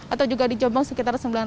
atau juga di jombang sekitar sembilan ratus